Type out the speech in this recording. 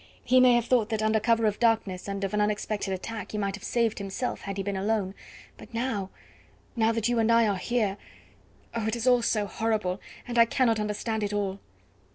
He may have thought that under cover of darkness and of an unexpected attack he might have saved himself had he been alone; but now now that you and I are here Oh! it is all so horrible, and I cannot understand it all."